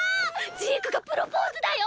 ジークがプロポーズだよ！